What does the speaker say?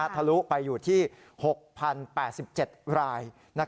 ทะลุไปอยู่ที่๖๐๘๗ราย